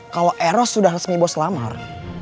kalau eros sudah resmi bos lamar